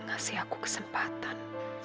ngasih aku kesempatan